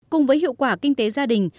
cùng với hiệu quả kinh tế gia đình